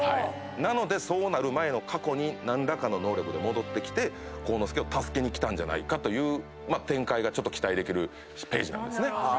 なのでそうなる前の過去に何らかの能力で戻って鋼之助を助けに来たんじゃないかという展開が期待できるページなんですね。